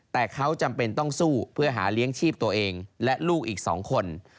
แต่เขาจำเป็นต้องสู้เพื่อหาเลี้ยงชีพตัวเองและลูกอีก๒คน